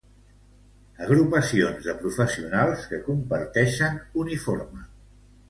Agrupacions de professionals que comparteixen uniforme.